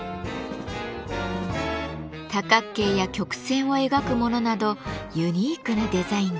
多角形や曲線を描くものなどユニークなデザインです。